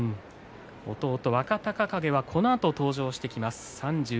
弟の若隆景はこのあと登場してきます。